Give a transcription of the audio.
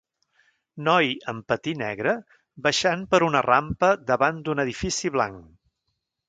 Noi amb patí negre baixant per una rampa davant d'un edifici blanc